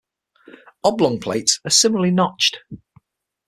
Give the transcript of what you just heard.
Oblong plates are similarly notched.